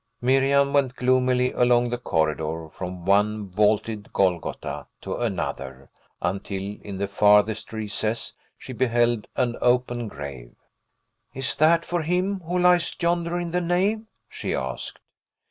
Miriam went gloomily along the corridor, from one vaulted Golgotha to another, until in the farthest recess she beheld an open grave. "Is that for him who lies yonder in the nave?" she asked.